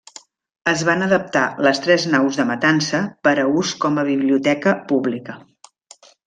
Es van adaptar les tres naus de matança per a ús com a biblioteca pública.